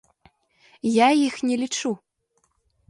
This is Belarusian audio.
Я іх не лічу.